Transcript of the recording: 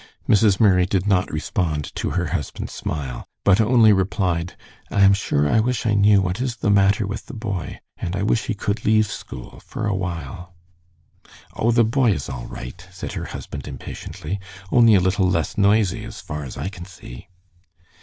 Mrs. Murray did not respond to her husband's smile, but only replied, "I am sure I wish I knew what is the matter with the boy, and I wish he could leave school for a while." "O, the boy is all right," said her husband, impatiently. "Only a little less noisy, as far as I can see."